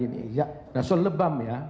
nah soal lebam ya